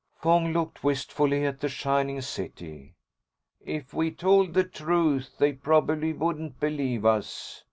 Fong looked wistfully at the shining city. "If we told the truth, they probably wouldn't believe us.